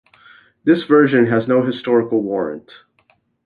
This version has no historical warrant.